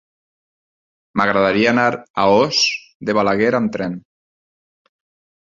M'agradaria anar a Os de Balaguer amb tren.